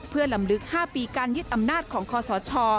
เพื่อลำลึก๕ปีการยึดอำนาจของคอสช